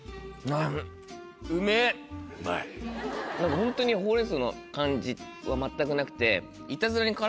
何かホントにほうれん草の感じは全くなくて。